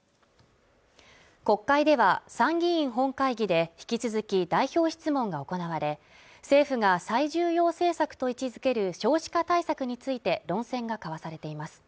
国会では参議院本会議で引き続き代表質問が行われ政府が最重要政策と位置づける少子化対策について論戦が交わされています